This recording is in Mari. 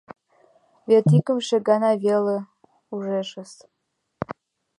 — Вет икымше гана веле ужешыс!»